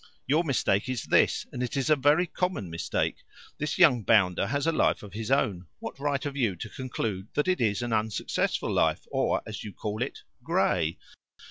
"Your mistake is this, and it is a very common mistake. This young bounder has a life of his own. What right have you to conclude it is an unsuccessful life, or, as you call it, 'grey'?"